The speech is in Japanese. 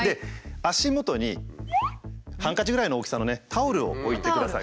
足元にハンカチぐらいの大きさのねタオルを置いてください。